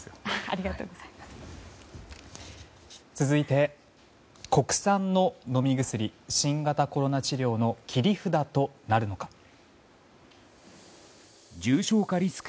続いて国産の飲み薬新型コロナ治療の切り札となるのか。